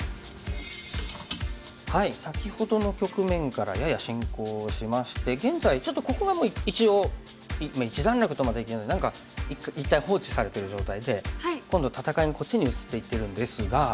先ほどの局面からやや進行しまして現在ちょっとここはもう一応一段落とまではいってない何か一回放置されてる状態で今度戦いがこっちに移っていってるんですが。